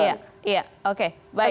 iya oke baik